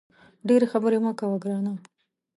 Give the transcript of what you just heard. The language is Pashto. ډېري خبري مه کوه ګرانه !